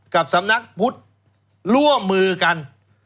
กับสำนักพุทธร่วมมือกัน